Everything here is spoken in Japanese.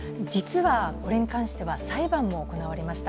これについては裁判も行われました。